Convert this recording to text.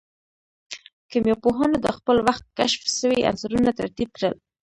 کيميا پوهانو د خپل وخت کشف سوي عنصرونه ترتيب کړل.